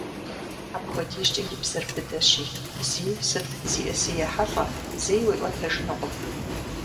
Апхуэдизкӏэ и бзэр быдэщи, зи сыт зиӏыси ехьэлӏэ, зэи уиӏуэтэжынукъым.